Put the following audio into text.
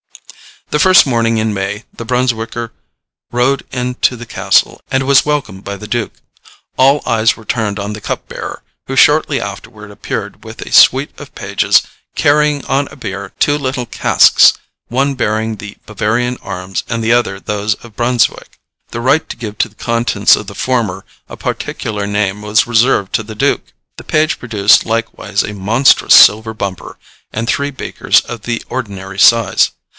The first morning in May the Brunswicker rode into the castle and was welcomed by the duke. All eyes were turned on the cup bearer, who shortly afterward appeared with a suite of pages carrying on a bier two little casks, one bearing the Bavarian arms and the other those of Brunswick. The right to give to the contents of the former a particular name was reserved to the duke. The page produced likewise a monstrous silver bumper and three beakers of the ordinary size.